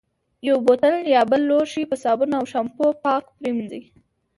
یو بوتل یا بل لوښی په صابون او شامپو پاک پرېمنځي.